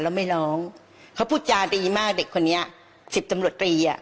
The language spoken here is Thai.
แล้วไม่ร้องเขาพูดจาดีมากเด็กคนนี้สิบตำรวจตรีอ่ะ